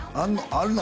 あるの？